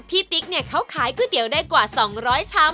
ติ๊กเนี่ยเขาขายก๋วยเตี๋ยวได้กว่า๒๐๐ชาม